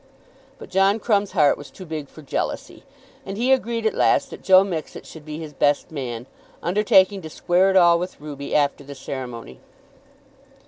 But John Crumb's heart was too big for jealousy, and he agreed at last that Joe Mixet should be his best man, undertaking to "square it all" with Ruby, after the ceremony.